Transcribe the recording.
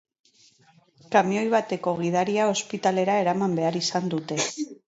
Kamioi bateko gidaria ospitalera eraman behar izan dute.